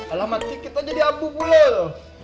alamak kita jadi abu bulu